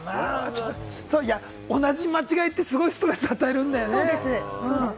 同じ間違いって、すごいストレス与えるんだよね。